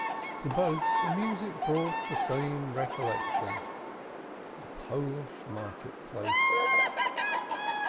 To both the music brought the same recollection a Polish market place.